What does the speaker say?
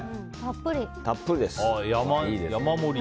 たっぷりです。